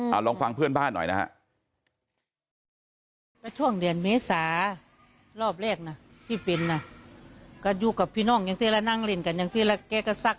เอาลองฟังเพื่อนบ้านหน่อยนะฮะ